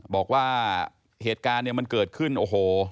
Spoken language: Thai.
บอกว่าเหตุการณ์เนี่ยมันเกิดขึ้นโอ้โห